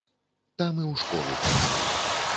Там і ў школу пайшоў.